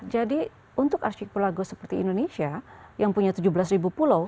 jadi untuk archipelago seperti indonesia yang punya tujuh belas pulau